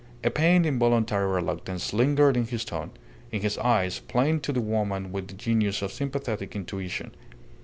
A pained, involuntary reluctance lingered in his tone, in his eyes, plain to the woman with the genius of sympathetic intuition.